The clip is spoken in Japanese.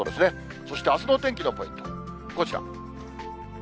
そしてあすのお天気のポイント、こちら。